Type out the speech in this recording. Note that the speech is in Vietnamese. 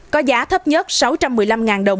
có giá thấp nhất sáu trăm một mươi năm đồng